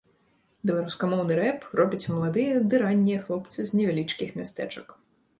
Беларускамоўны рэп робяць маладыя ды раннія хлопцы з невялічкіх мястэчак.